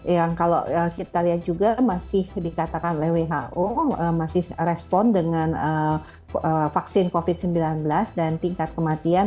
yang kalau kita lihat juga masih dikatakan oleh who masih respon dengan vaksin covid sembilan belas dan tingkat kematian